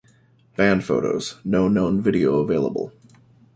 Band photos, no known video available.